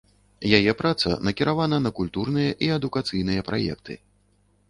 Яе праца накіравана на культурныя і адукацыйныя праекты.